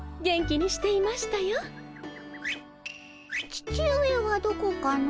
父上はどこかの？